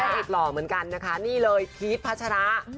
เอกหล่อเหมือนกันนะคะนี่เลยพีชพัชระ